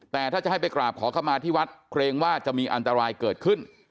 แต่ถ้าจะให้ไปกราบขอเข้ามาที่วัดเกรงว่าจะมีอันตรายเกิดขึ้น